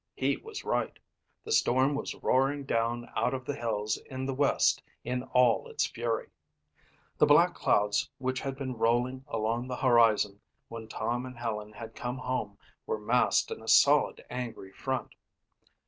He was right. The storm was roaring down out of the hills in the west in all its fury. The black clouds which had been rolling along the horizon when Tom and Helen had come home were massed in a solid, angry front.